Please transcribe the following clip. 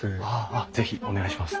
あっ是非お願いします。